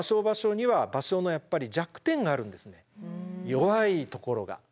弱いところが。